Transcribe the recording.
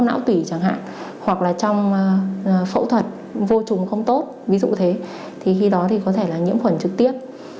não tỷ chẳng hạn hoặc là trong phẫu thuật vô trùng không tốt ví dụ thế thì khi đó thì có thể là nhiễm khuẩn trực tiếp